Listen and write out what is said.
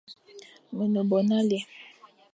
Me ne bo nale,